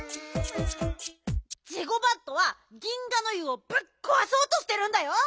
ジゴバットは銀河ノ湯をぶっこわそうとしてるんだよ。